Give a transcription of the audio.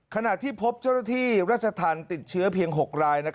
ขณะที่พบเจ้าหน้าที่ราชธรรมติดเชื้อเพียง๖ราย